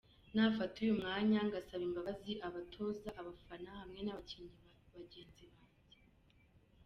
Nafata uyu mwanya ngasaba imbabazi abatoza, abafana hamwe n’abakinnyi bagenzi banjye.